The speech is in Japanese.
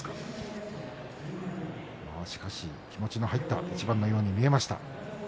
しかし気持ちの入った一番のように見えました。